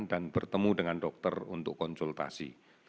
bertemu dengan dokter untuk konsultasi